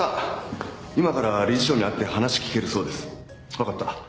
わかった。